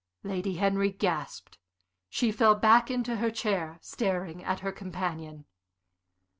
Lady Henry gasped. She fell back into her chair, staring at her companion.